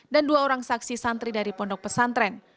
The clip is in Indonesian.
dan dua orang saksi santri dari pondok pesantren